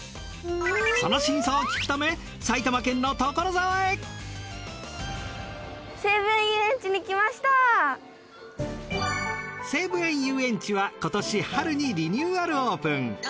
その真相を聞くため西武園ゆうえんちは今年春にリニューアルオープン。